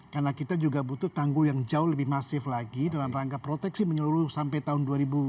karena kita juga butuh tanggul yang jauh lebih masif lagi dalam rangka proteksi menyeluruh sampai tahun dua ribu seratus dua ribu dua ratus